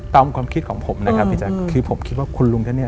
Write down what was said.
ตามความคิดของผมนะครับคือผมคิดว่าคุณลุงท่านเนี่ย